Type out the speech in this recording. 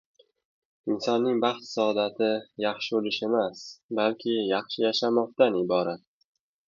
Insonning baxt-saodati yaxshi o‘lish emas, balki yaxshi yashamoqdan iborat.